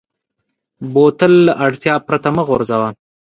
بوتل له اړتیا پرته مه غورځوه.